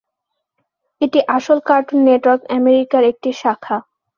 এটি আসল Cartoon Network আমেরিকার একটি শাখা।